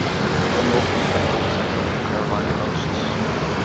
John Norton, an early settler on the Carolina Coast.